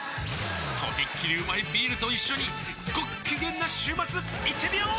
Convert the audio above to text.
とびっきりうまいビールと一緒にごっきげんな週末いってみよー！